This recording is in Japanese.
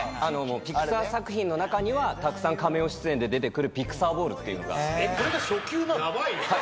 ピクサー作品の中にはたくさんカメオ出演で出てくるピクサー・ボールっていうのが。